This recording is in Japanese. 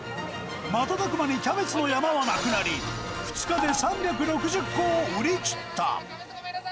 瞬く間にキャベツの山はなくなり、２日で３６０個を売り切った。